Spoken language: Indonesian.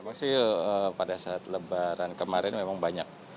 maksudnya pada saat lebaran kemarin memang banyak